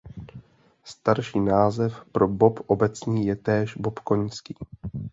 Starší název pro bob obecný je též bob koňský.